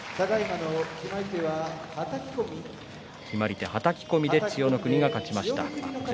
決まり手はたき込みで千代の国が勝ちました。